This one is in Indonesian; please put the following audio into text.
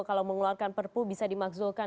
kalau mengeluarkan perpu bisa dimakzulkan